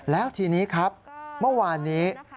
แล้วทีนี้ครับเมื่อวานนี้